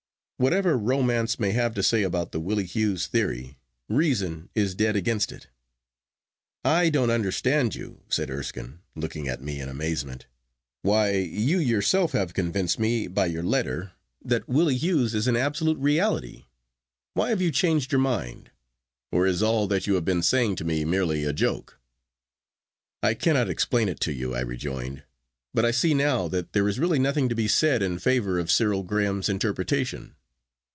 Whatever romance may have to say about the Willie Hughes theory, reason is dead against it.' 'I don't understand you,' said Erskine, looking at me in amazement. 'Why, you yourself have convinced me by your letter that Willie Hughes is an absolute reality. Why have you changed your mind? Or is all that you have been saying to me merely a joke?' 'I cannot explain it to you,' I rejoined, 'but I see now that there is really nothing to be said in favour of Cyril Graham's interpretation.